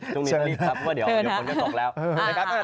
ช่วงนี้รีบครับเดี๋ยวฝนก็ตกแล้ว